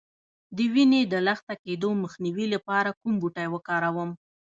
د وینې د لخته کیدو مخنیوي لپاره کوم بوټی وکاروم؟